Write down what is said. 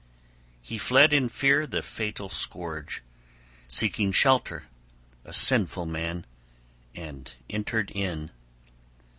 He fled in fear the fatal scourge, seeking shelter, a sinful man, and entered in.